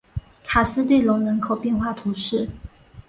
卡斯蒂隆人口变化图示